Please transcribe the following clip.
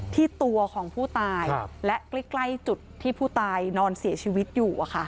ที่ตัวของผู้ตายและใกล้จุดที่ผู้ตายนอนเสียชีวิตอยู่